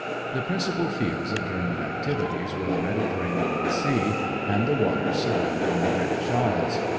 The principal fields of German activities were the Mediterranean Sea and the waters surrounding the British Isles.